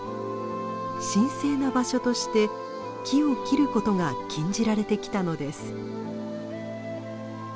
神聖な場所として木を切ることが禁じられてきたのです。